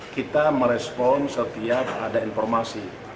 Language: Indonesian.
kita merespon setiap ada informasi